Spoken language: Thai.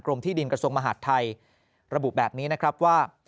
ที่ดินกระทรวงมหาดไทยระบุแบบนี้นะครับว่า